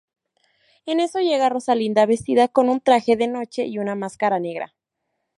En eso llega Rosalinda, vestida con un traje de noche y una máscara negra.